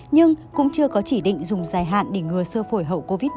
nhưng cũng chưa có chỉ định dùng dài hạn để ngừa sơ phổi hậu covid một mươi chín